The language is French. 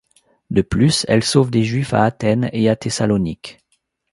De plus, elle sauve des juifs à Athènes et à Thessalonique.